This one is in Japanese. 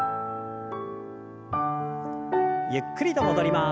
ゆっくりと戻ります。